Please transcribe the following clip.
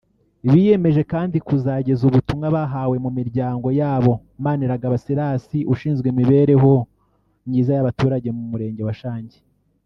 Biyemeje kandi kuzageza ubutumwa bahawe mumiryango yaboManiragaba Silas ushinzwe imibereho myiza y’abaturage mu murenge wa Shangi